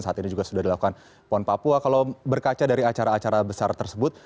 saat ini juga sudah dilakukan pon papua kalau berkaca dari acara acara besar tersebut